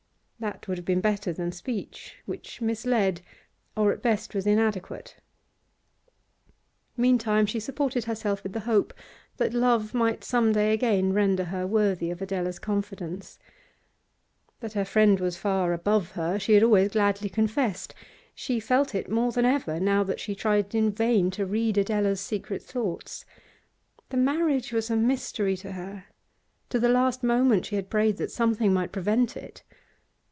That would have been better than speech, which misled, or at best was inadequate. Meantime she supported herself with the hope that love might some day again render her worthy of Adela's confidence. That her friend was far above her she had always gladly confessed; she felt it more than ever now that she tried in vain to read Adela's secret thoughts. The marriage was a mystery to her; to the last moment she had prayed that something might prevent it.